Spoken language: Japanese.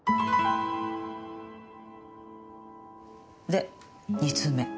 で２通目。